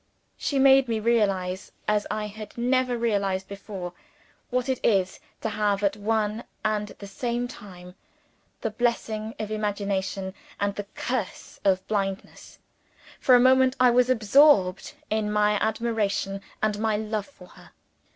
She made me realize, as I had never realized before, what it is to have, at one and the same time, the blessing of imagination, and the curse of blindness. For a moment, I was absorbed in my admiration and my love for her.